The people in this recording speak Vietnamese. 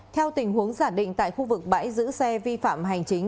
theo tình huống giả định tại khu vực bãi giữ xe vi phạm hành chính